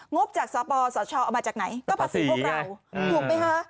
บจากสปสชเอามาจากไหนก็ภาษีพวกเราถูกไหมคะ